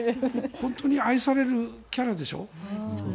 本当に愛されるキャラでしょ。